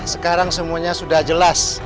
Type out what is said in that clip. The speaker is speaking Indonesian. sekarang semuanya sudah jelas